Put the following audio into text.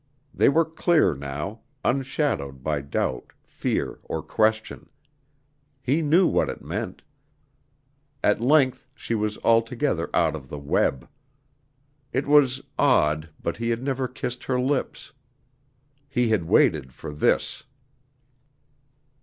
They were clear now unshadowed by doubt, fear, or question. He knew what it meant, at length she was altogether out of the web. It was odd but he had never kissed her lips. He had waited for this.